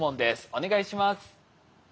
お願いします。